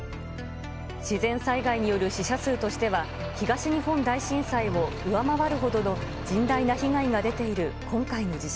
自然災害による死者数としては、東日本大震災を上回るほどの甚大な被害が出ている今回の地震。